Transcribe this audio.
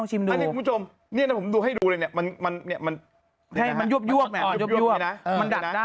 กินเหรอฟังเสียงนะ